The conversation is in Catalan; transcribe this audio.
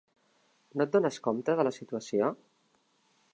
No et dones compte de la situació?